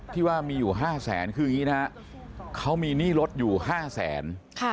ที่ว่ามีอยู่๕แสนคืออย่างนี้นะฮะเขามีหนี้ลดอยู่๕แสน